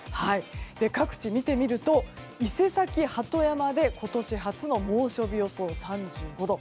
各地を見てみると伊勢崎、鳩山で今年初の猛暑日予想３５度。